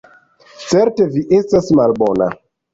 Certe vi estas malbona.